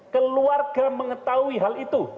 keluarga mengetahui hal itu